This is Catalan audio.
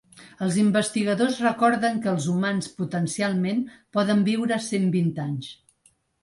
Els investigadors recorden que els humans potencialment poden viure cent vint anys.